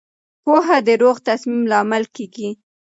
پوهه د روغ تصمیم لامل کېږي.